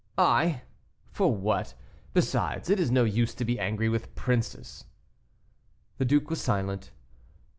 "I! for what? besides, it is no use to be angry with princes." The duke was silent.